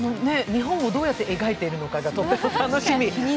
日本をどうやって描いているのかがとっても楽しみ。